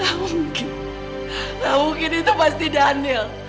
gak mungkin gak mungkin itu pasti daniel